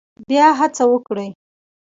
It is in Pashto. بیا هڅه وکړئ